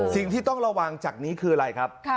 สิ่งที่ต้องระวังจากนี้คืออะไรครับ